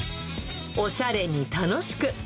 おしゃれに楽しく。